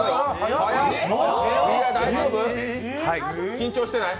緊張してない？